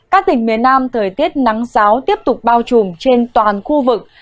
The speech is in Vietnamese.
các tỉnh miền nam thời tiết nắng giáo tiếp tục bao trùm trên toàn khu vực